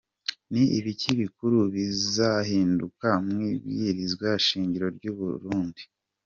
Ni ibiki bikuru bizohinduka mw'ibwiriza shingiro ry'u Burundi?.